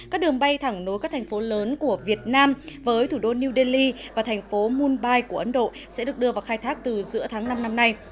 các đường bay thẳng nối các thành phố lớn của việt nam với thủ đô new delhi và thành phố mumbai của ấn độ sẽ được đưa vào khai thác từ giữa tháng năm năm nay